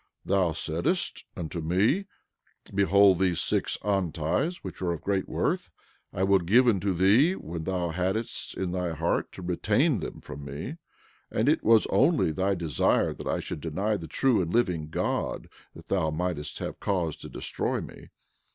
Thou saidst unto me—Behold these six onties, which are of great worth, I will give unto thee—when thou hadst it in thy heart to retain them from me; and it was only thy desire that I should deny the true and living God, that thou mightest have cause to destroy me.